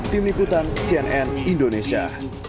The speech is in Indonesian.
tim liputan cnn indonesia